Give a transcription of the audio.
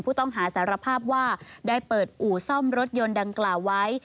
ผู้ต้องหาสารภาพว่าได้เปิดอู่ซ่อมรถยนต์ดังกล่าวไว้